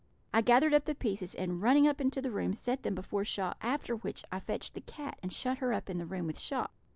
I gathered up the pieces, and running up into the room, set them before Shock; after which I fetched the cat and shut her up in the room with Shock.